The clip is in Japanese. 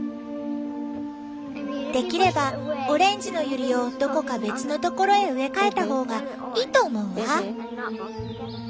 できればオレンジのユリをどこか別の所へ植え替えた方がいいと思うわ。